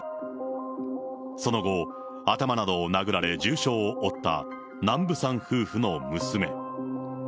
その後、頭などを殴られ、重傷を負った南部さん夫婦の娘。